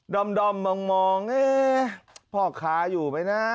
ดอมมองพ่อค้าอยู่ไหมนะ